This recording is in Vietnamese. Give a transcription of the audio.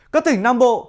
các tỉnh nam bộ